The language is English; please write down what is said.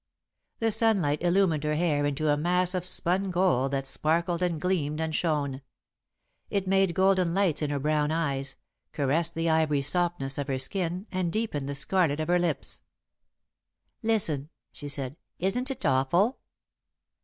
The sunlight illumined her hair into a mass of spun gold that sparkled and gleamed and shone. It made golden lights in her brown eyes, caressed the ivory softness of her skin, and deepened the scarlet of her lips. "Listen," she said. "Isn't it awful?"